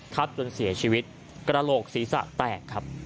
จนเสียชีวิตกระโหลกศีรษะแตกครับ